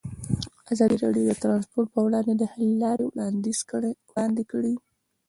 ازادي راډیو د ترانسپورټ پر وړاندې د حل لارې وړاندې کړي.